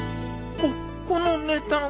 こっこの値段は